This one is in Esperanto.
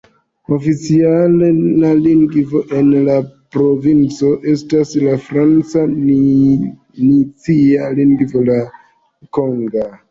Oficiala lingvo en la provinco estas la franca, nacia lingvo la konga.